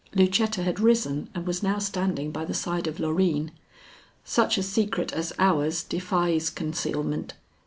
Lucetta had risen and was now standing by the side of Loreen. "Such a secret as ours defies concealment.